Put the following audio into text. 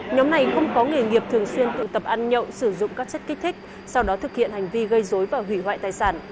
nhóm này không có nghề nghiệp thường xuyên tụ tập ăn nhậu sử dụng các chất kích thích sau đó thực hiện hành vi gây dối và hủy hoại tài sản